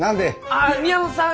ああ宮本さん